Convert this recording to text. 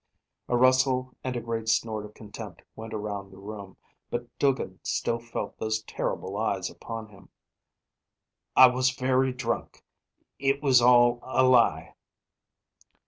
A rustle and a great snort of contempt went around the room; but Duggin still felt those terrible eyes upon him. "I was very drunk. It was all a lie."